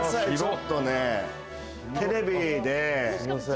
ちょっとねテレビで。